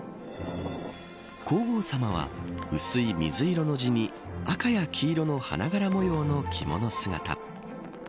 皇后さまは薄い水色の地に赤や黄色の花柄模様の着物姿。